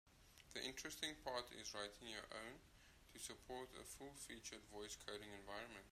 The interesting part is writing your own to support a full-featured voice coding environment.